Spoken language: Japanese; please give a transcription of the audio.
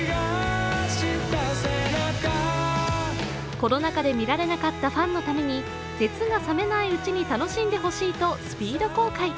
コロナ禍で見られなかったファンのために熱が冷めないうちに楽しんでほしいとスピード公開。